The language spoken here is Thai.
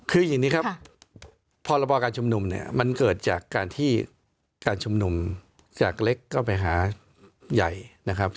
คืออย่างนี้ครับพรบการชุมนุมเนี่ยมันเกิดจากการที่การชุมนุมจากเล็กก็ไปหาใหญ่นะครับ